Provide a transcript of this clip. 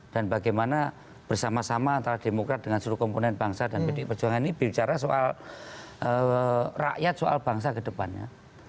dan bagaimana bersama sama antara demokrat dengan seluruh komponen bangsa dan pendidik perjuangan ini bicara soal rakyat soal bangsa ke depannya